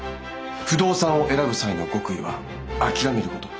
不動産を選ぶ際の極意は諦めること。